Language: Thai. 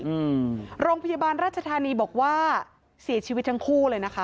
อืมโรงพยาบาลราชธานีบอกว่าเสียชีวิตทั้งคู่เลยนะคะ